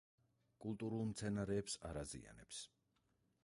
კულტურულ მცენარეებს არ აზიანებს.